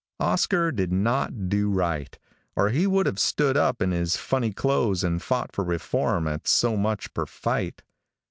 Oscar did not do right, or he would have stood up in his funny clothes and fought for reform at so much per fight.